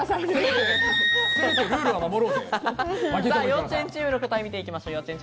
幼稚園チームの答え見ていきましょう。